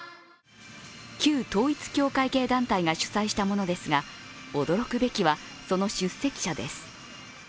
旧統一教会系団体が主催したものですが、驚くべきは、その出席者です。